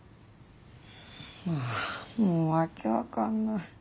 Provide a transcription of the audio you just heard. あもう訳分かんない。